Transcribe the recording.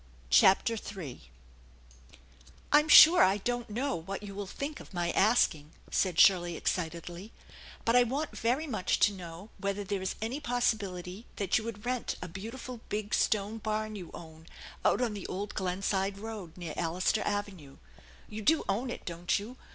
CHAPTER 111 " I'M sure I don't know what you will think of my ask* ing/' said Shirley excitedly, " but I want very much to know whether there is any possibility that you would rent a beau tiful big stone barn you own out on the old Glenside Road, near Allister Avenue. You do own it, don't you